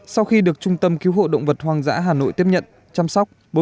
sau khi được trung tâm cứu hộ động vật hoang dã hà nội tiếp nhận chăm sóc